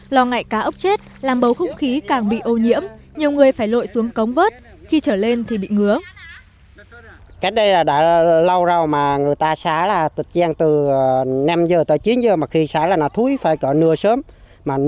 lo ngại cá ốc chết làm bầu không khí càng bị ô nhiễm nhiều người phải lội xuống cống vớt khi trở lên thì bị ngứa